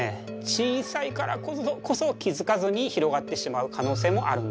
小さいからこそ気付かずに広がってしまう可能性もあるんです。